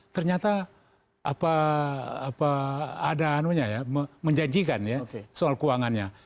ternyata apa apa ada anunya ya menjanjikan ya soal keuangannya